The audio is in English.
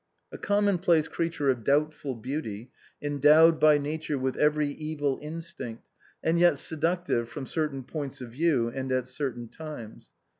A commonplace creature of doubtful beauty, endowed by nature with every evil instinct, and yet seductive from certain points of view and at certain times.